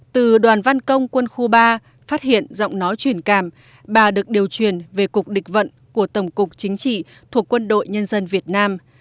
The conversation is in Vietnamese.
từ đoàn văn công quân khu ba phát hiện giọng nói truyền cảm bà được điều truyền về cục địch vận của tổng cục chính trị thuộc quân đội nhân dân việt nam